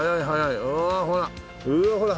うわほら！